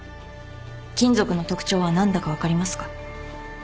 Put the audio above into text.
金属の特徴は何だか分かりますか？